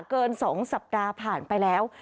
เกิน๒สัปดาห์ผ่านไปแล้ว